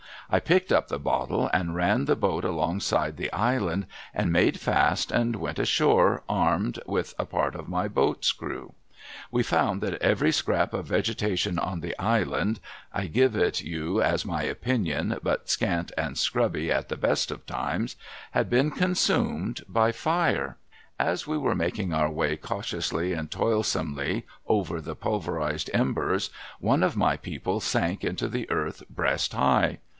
I picked up the bottle and ran the boat along side the island, and made fast and went ashore armed, with a part of my boat's crew, ^^'e found that every scrap of vegetation on the island (I give it you as my opinion, but scant and scrubby at the best of times) had been consumed by fire. As we were making our way, cautiously and toilsomely, over the pulverised embers, one of my people sank into the earth breast high.